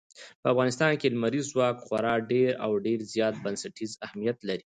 په افغانستان کې لمریز ځواک خورا ډېر او ډېر زیات بنسټیز اهمیت لري.